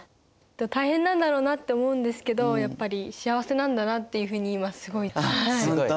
大変なんだろうなって思うんですけどやっぱり幸せなんだなっていうふうに今すごい。あっほんと？